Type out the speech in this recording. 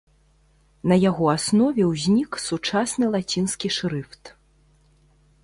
На яго аснове ўзнік сучасны лацінскі шрыфт.